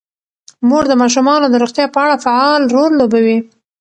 مور د ماشومانو د روغتیا په اړه فعال رول لوبوي.